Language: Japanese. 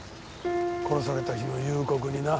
殺された日の夕刻にな。